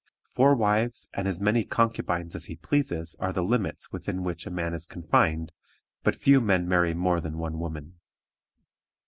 Four wives and as many concubines as he pleases are the limits within which a man is confined, but few men marry more than one woman.